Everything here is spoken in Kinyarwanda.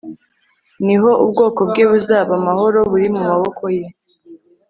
ni ho ubwoko bwe buzaba amahoro buri mu maboko Ye